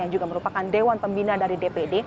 yang juga merupakan dewan pembina dari dpd